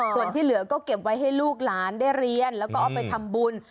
ส่วนที่เหลือก็เก็บไว้ให้ลูกหลานได้เรียนแล้วก็เอาไปทำบุญ